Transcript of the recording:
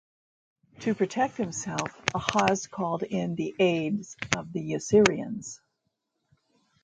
To protect himself Ahaz called in the aid of the Assyrians.